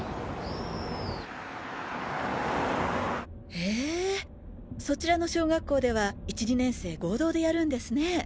へぇそちらの小学校では１・２年生合同でやるんですね。